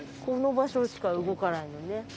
この場所しか動かないのね。